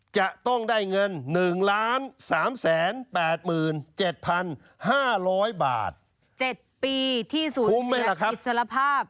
จะต้องได้เงิน๑๓๘๗๕๐๐บาท๗ปีที่สู่เศรษฐ์อิสระภาพ